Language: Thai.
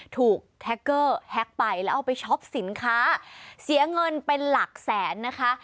แท็กเกอร์แฮ็กไปแล้วเอาไปช็อปสินค้าเสียเงินเป็นหลักแสนนะคะ